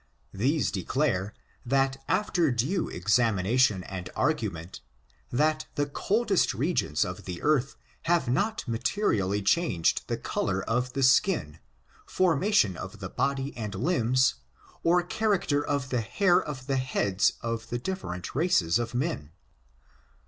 These declare, after due examination and argument, that the coldest regions of the earth have not m^aterially changed the color of the skin, formation of the body and limbs, oi character of the hair of the heads of the different races of men.